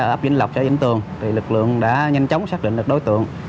ở ấp vĩnh lộc sợi vĩnh tường lực lượng đã nhanh chóng xác định được đối tượng